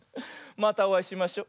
またおあいしましょ。